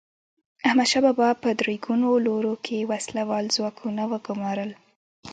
احمدشاه بابا په درې ګونو لورو کې وسله وال ځواکونه وګمارل.